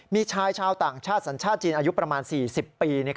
มีชายชาวต่างชาติสัญชาติจีนอายุประมาณ๔๐ปี